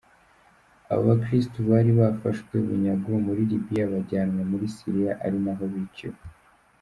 Aba bakirisitu bari barafashwe bunyago muri Libya bajyanwa muri Syria ari naho biciwe.